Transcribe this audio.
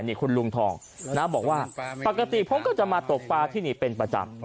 นี่คุณลุงทองนะบอกว่าปกติผมก็จะมาตกปลาที่นี่เป็นประจำ